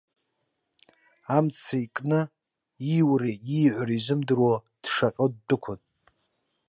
Амца икны, ииура ииҳәара изымдыруа, дшаҟьо ддәықәын.